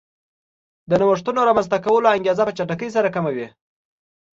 د نوښتونو رامنځته کولو انګېزه په چټکۍ سره کموي